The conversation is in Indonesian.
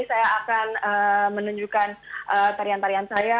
saya akan menunjukkan tarian tarian saya